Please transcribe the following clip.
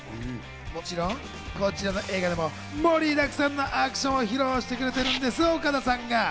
もちろんこちらの映画でも盛りだくさんのアクションを披露してくれているんです、岡田さんが。